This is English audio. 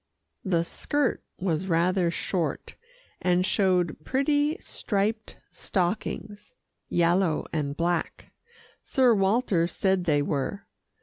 The skirt was rather short, and showed pretty striped stockings yellow and black, Sir Walter said they were.